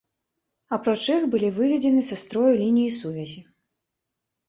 Апроч іх, былі выведзены са строю лініі сувязі.